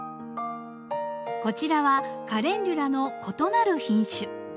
こちらはカレンデュラの異なる品種。